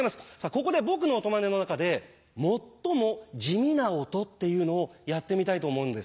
ここで僕の音まねの中で最も地味な音っていうのをやってみたいと思うんです。